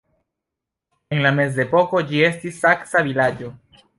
En la mezepoko ĝi estis saksa vilaĝo.